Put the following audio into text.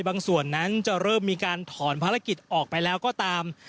ส่วนนั้นจะเริ่มมีการถอนภารกิจออกไปแล้วก็ตาม